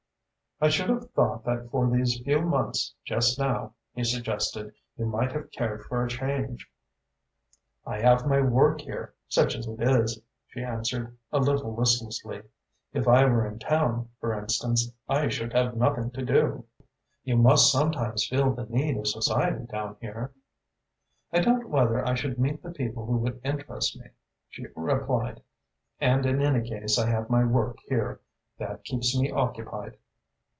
"I should have thought that for these few months just now," he suggested, "you might have cared for a change." "I have my work here, such as it is," she answered, a little listlessly. "If I were in town, for instance, I should have nothing to do." "You would meet people. You must sometimes feel the need of society down here." "I doubt whether I should meet the people who would interest me," she replied, "and in any case I have my work here. That keeps me occupied."